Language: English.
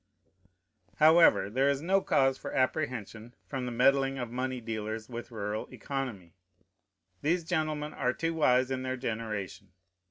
However, there is no cause for apprehension from the meddling of money dealers with rural economy. These gentlemen are too wise in their generation.